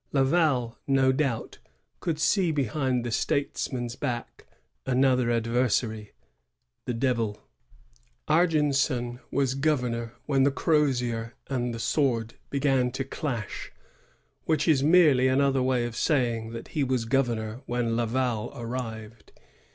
Laval, no doubt, could see behind the statesman's back another adyeisaiy, — the Devil. Argenson was governor when the orozier and the sword began to clash, which is merely another way of saying that he was governor when Laval arrived.